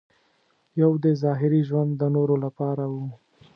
یو دې ظاهري ژوند د نورو لپاره و.